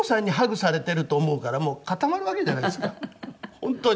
本当に。